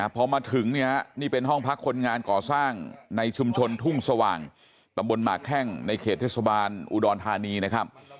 พอมาถึงเนี่ยนี่เป็นห้องพักคนงานก่อสร้างในชุมชนทุ่งสว่างตำบลหมากแข้งในเขตเทศบาลอุดรธานีนะครับ